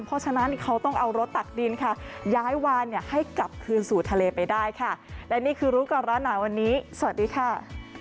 โปรดติดตามตอนต่อไป